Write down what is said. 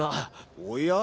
おや？